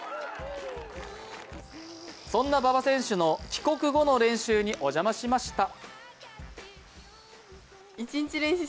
そんな馬場選手の帰国後の練習にお邪魔しました。